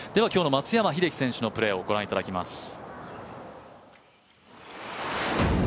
今日の松山英樹選手のプレーを御覧いただきます。